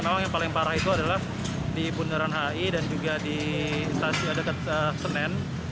memang yang paling parah itu adalah di bundaran hi dan juga di stasiun dekat senen